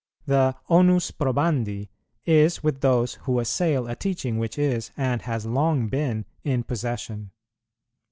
The onus probandi is with those who assail a teaching which is, and has long been, in possession.